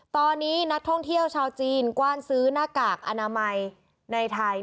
ตอนนี้นักท่องเที่ยวชาวจีนกว้านซื้อหน้ากากอนามัยในไทย